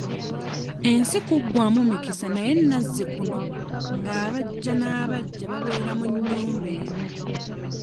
Ensi kuggwamu mikisa naye nazzikuno ng'abaggya n'abaggya babeera mu nnyumba emu.